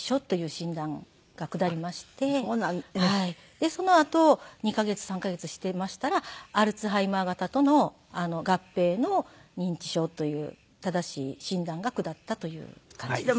でそのあと２カ月３カ月していましたらアルツハイマー型との合併の認知症という正しい診断が下ったという感じです。